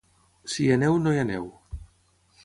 Si hi ha neu, no hi aneu